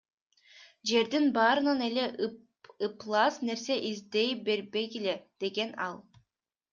Жердин баарынан эле ыплас нерсе издей бербегиле, — деген ал.